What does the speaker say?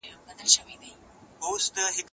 په ميراث کي نارينه اولادونه دوه چنده حق لري.